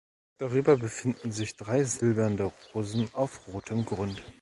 Darüber befinden sich drei silberne Rosen auf rotem Grund.